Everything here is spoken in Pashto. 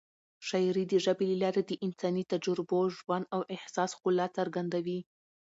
شاعري د ژبې له لارې د انساني تجربو، ژوند او احساس ښکلا څرګندوي.